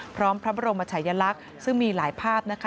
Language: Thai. พร้อมพระบรมชายลักษณ์ซึ่งมีหลายภาพนะคะ